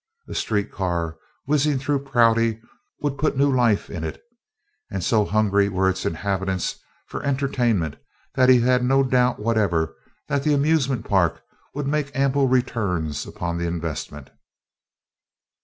A street car whizzing through Prouty would put new life in it, and so hungry were its inhabitants for entertainment that he had no doubt whatever that the amusement park would make ample returns upon the investment.